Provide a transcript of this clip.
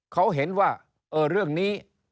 เขาเห็นว่าเรื่องนี้